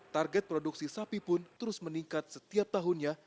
target produksi sapi pun terus meningkat setiap tahunnya